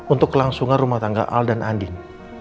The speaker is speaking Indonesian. untuk kelangsungan rumah tangga al dan andin